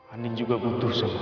anin juga butuh semua